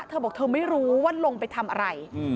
เธอบอกเธอไม่รู้ว่าลงไปทำอะไร